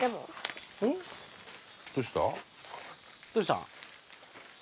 「どうした？」